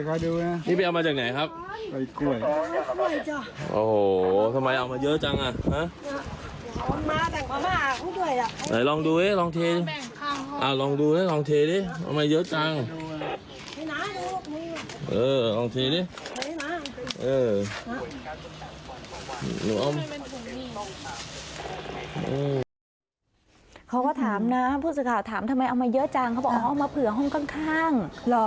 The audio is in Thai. เขาก็ถามพุธศิษยาศาสตร์ถามทำไมเอามาเยอะจังเขาบอกเอามาเพื่อห้องข้าง